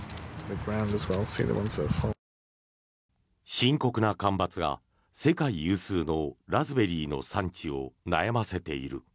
深刻な干ばつが世界有数のラズベリーの産地を悩ませている。